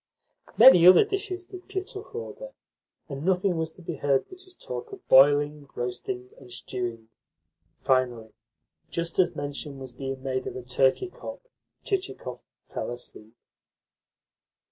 Many other dishes did Pietukh order, and nothing was to be heard but his talk of boiling, roasting, and stewing. Finally, just as mention was being made of a turkey cock, Chichikov fell asleep.